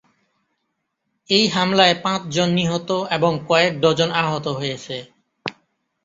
এই হামলায় পাঁচজন নিহত এবং কয়েক ডজন আহত হয়েছে।